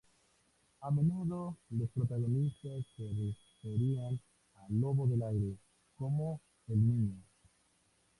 A menudo, los protagonistas se referían a "Lobo del Aire" como "el niño".